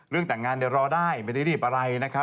เรื่องแต่งงานเนี่ยรอได้ไม่ได้รีบอะไรนะครับ